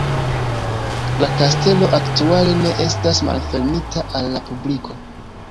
La kastelo aktuale ne estas malfermita al la publiko.